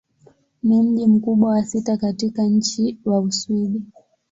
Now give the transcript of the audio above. Ni mji mkubwa wa sita katika nchi wa Uswidi.